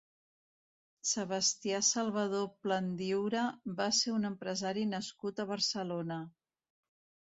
Sebastià Salvadó Plandiura va ser un empresari nascut a Barcelona.